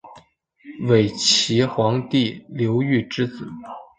伪齐皇帝刘豫之子。